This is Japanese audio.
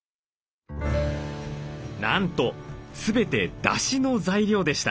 なんと全てだしの材料でした。